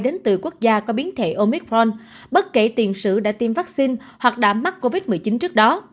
đến từ quốc gia có biến thể omicron bất kể tiền sử đã tiêm vaccine hoặc đã mắc covid một mươi chín trước đó